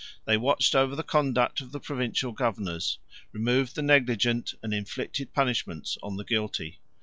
They watched over the conduct of the provincial governors, removed the negligent, and inflicted punishments on the guilty.